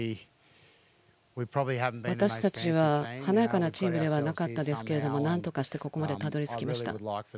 私たちは華やかなチームではなかったですけれどなんとかしてここまで、たどりつきました。